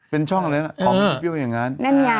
เป็นช่องอะไรอย่างนั้น